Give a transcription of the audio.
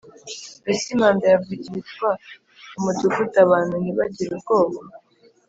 Mbese impanda yavugirizwa mu mudugudu abantu ntibagire ubwoba?